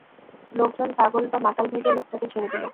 লোকজন পাগল বা মাতাল ভেবে লোকটাকে ছেড়ে দিল।